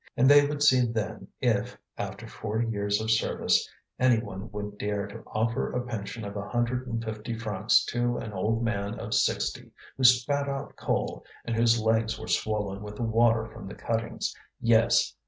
And they would see then if, after forty years of service, any one would dare to offer a pension of a hundred and fifty francs to an old man of sixty who spat out coal and whose legs were swollen with the water from the cuttings. Yes!